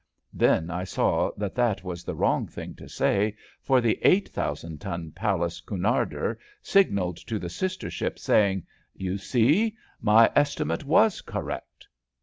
Then I saw that that was the wrong thing to say, for the eight thousand ton palace Cunarder signalled to the sister ship, saying: You see, my estimate was correct."